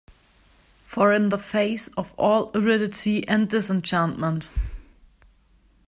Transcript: For in the face of all aridity and disenchantment